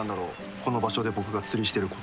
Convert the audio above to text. この場所で僕が釣りしてること。